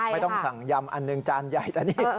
ไม่ต้องสั่งยำอันหนึ่งจานใหญ่ตอนนี้